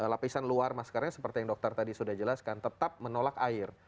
lapisan luar maskernya seperti yang dokter tadi sudah jelaskan tetap menolak air